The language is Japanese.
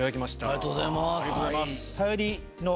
ありがとうございます。